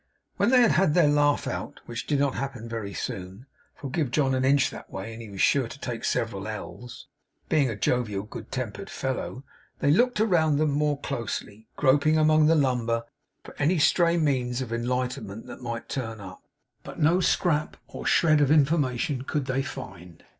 When they had had their laugh out, which did not happen very soon, for give John an inch that way and he was sure to take several ells, being a jovial, good tempered fellow, they looked about them more closely, groping among the lumber for any stray means of enlightenment that might turn up. But no scrap or shred of information could they find.